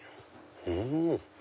うん！